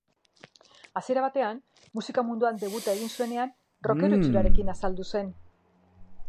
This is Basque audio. Hasiera batean, musika munduan debuta egin zuenean, rockero itxurekin azaldu zen.